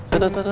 tuh tuh tuh